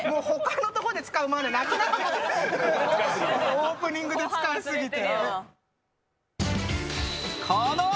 オープニングで使いすぎて。